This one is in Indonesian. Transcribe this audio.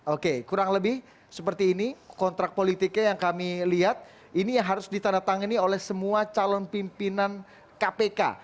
oke kurang lebih seperti ini kontrak politiknya yang kami lihat ini yang harus ditandatangani oleh semua calon pimpinan kpk